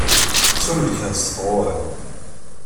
Ttumellkeɣ s tɣuri.